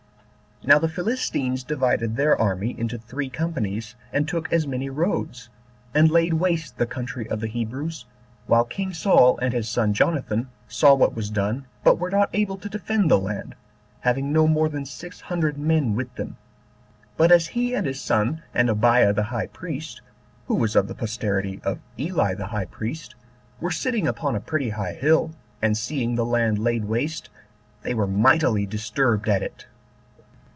Now the Philistines divided their army into three companies, and took as many roads, and laid waste the country of the Hebrews, while king Saul and his son Jonathan saw what was done, but were not able to defend the land, having no more than six hundred men with them. But as he, and his son, and Abiah the high priest, who was of the posterity of Eli the high priest, were sitting upon a pretty high hill, and seeing the land laid waste, they were mightily disturbed at it.